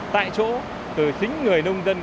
tại chỗ từ chính người nông dân